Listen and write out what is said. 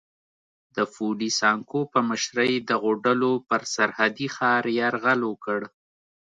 د فوډي سانکو په مشرۍ دغو ډلو پر سرحدي ښار یرغل وکړ.